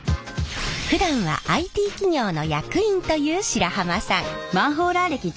ふだんはＩＴ企業の役員という白浜さん。